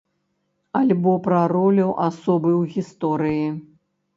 Альбо пра ролю асобы ў гісторыі.